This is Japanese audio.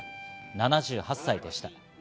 ７８歳でした。